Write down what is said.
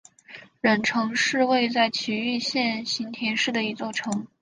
忍城是位在崎玉县行田市的一座城。